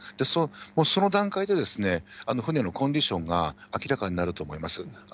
もうその段階で船のコンディションが明らかになると思います。